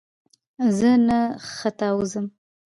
زه نه ختاوزم !